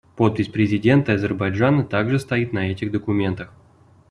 Подпись президента Азербайджана также стоит на этих документах.